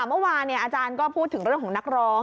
เมื่อวานอาจารย์ก็พูดถึงเรื่องของนักร้อง